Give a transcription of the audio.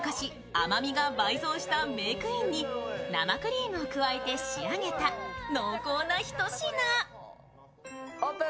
甘みが倍増したメークインに生クリームを加えて仕上げた濃厚な一品。